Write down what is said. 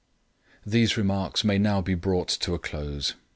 These remarks may now be brought to a close.